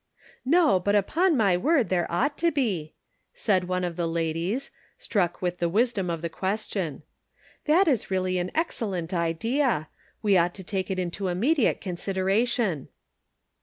" No, but upon my word there ought to be," said one of the ladies, struck with the wisdom of the question. " That is really an excellent idea; we ought to take it into immediate con sideration."